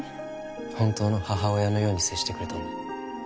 本当の母親のように接してくれたんだ